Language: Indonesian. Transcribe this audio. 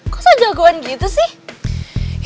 kok sejagoan gitu sih